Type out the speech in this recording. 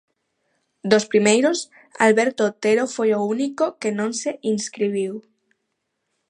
Dos primeiros, Alberto Otero foi o único que non se inscribiu.